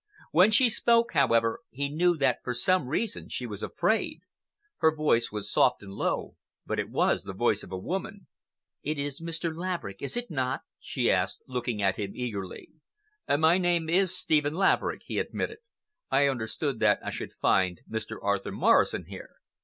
When she spoke, however, he knew that for some reason she was afraid. Her voice was soft and low, but it was the voice of a woman. "It is Mr. Laverick, is it not?" she asked, looking at him eagerly. "My name is Stephen Laverick," he admitted. "I understood that I should find Mr. Arthur Morrison here."